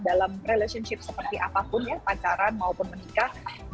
dalam relationship seperti apapun ya pacaran maupun menikah